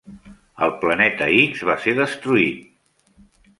El Planeta X va ser destruït!